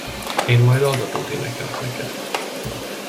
Én majd altatót énekelek neked.